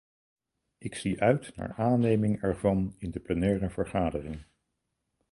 Ik zie uit naar aanneming ervan in de plenaire vergadering.